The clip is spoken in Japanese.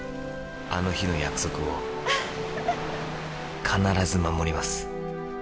あの日の約束を必ず守ります。